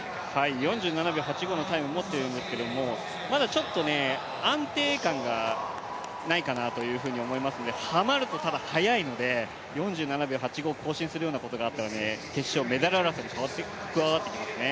４７秒８５のタイム持ってるんですけどもまだちょっと安定感がないかなと思いますので、ハマると、ただ速いので４７秒８５更新するようなことがあったら決勝、メダル争いに加わってきますね。